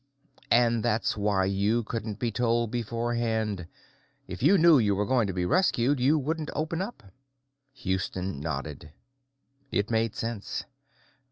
"And that's why you couldn't be told beforehand; if you knew you were going to be rescued, you wouldn't open up." Houston nodded. It made sense.